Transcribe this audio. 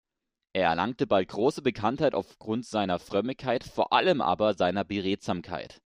Er erlangte bald große Bekanntheit aufgrund seiner Frömmigkeit, vor allem aber seiner Beredsamkeit.